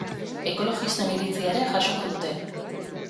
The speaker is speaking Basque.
Ekologisten iritzia ere jasoko dute.